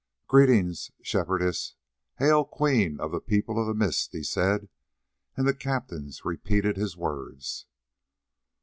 "Greeting, Shepherdess. Hail! Queen of the People of the Mist," he said, and the captains repeated his words.